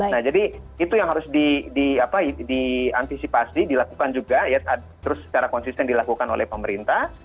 nah jadi itu yang harus diantisipasi dilakukan juga ya terus secara konsisten dilakukan oleh pemerintah